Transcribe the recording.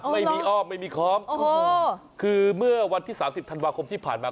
ไม่มีอ้อมไม่มีขอมโอ้โหคือเมื่อวันที่สามสิบทันวาคมที่ผ่านมา